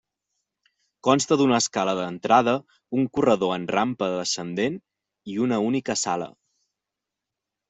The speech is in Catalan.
Consta d'una escala d'entrada, un corredor en rampa descendent i una única sala.